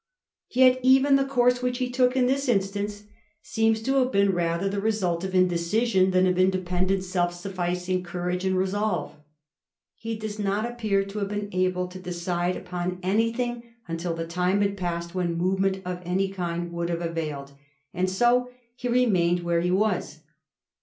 Yet even the course which he took in this instance seems to have Digiti zed by Google 150 A HISTORY OF THE FOUR GEORGES. cir. yt. been rather the result of indecision than of indepen dent self sufficing courage and resolve. He does not appear to have been able to decide upon anything until the time had passed when movement of any kind would have availed, and so he remained where he was.